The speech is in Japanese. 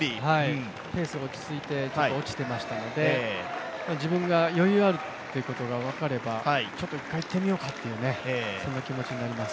ペースが落ち着いて落ちてきていましたので、自分が余裕あるっていうことが分かれば、ちょっと１回いってみようかっていう気持ちになります。